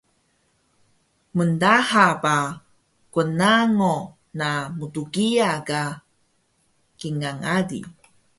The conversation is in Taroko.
mndaha ba qnango na mtgiya ka kingal ali